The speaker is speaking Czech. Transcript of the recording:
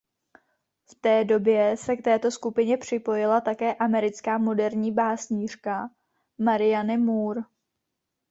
V té době se k této skupině připojila také americká moderní básnířka Marianne Moore.